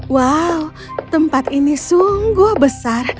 wow tempat ini sungguh besar